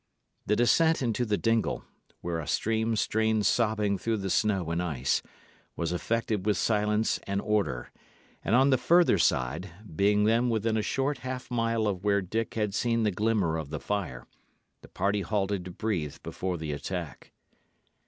The descent into the dingle, where a stream strained sobbing through the snow and ice, was effected with silence and order; and on the further side, being then within a short half mile of where Dick had seen the glimmer of the fire, the party halted to breathe before the attack.